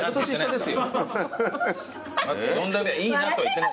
４代目はいいなとは言ってない。